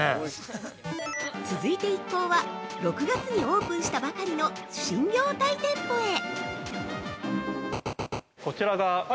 ◆続いて一行は６月にオープンしたばかりの新業態店舗へ。